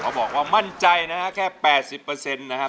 เขาบอกว่ามั่นใจนะฮะแค่๘๐นะฮะ